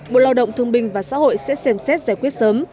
bộ lao động thương binh và xã hội sẽ xem xét giải quyết sớm